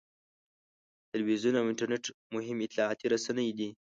تلویزیون او انټرنېټ مهم اطلاعاتي رسنۍ دي.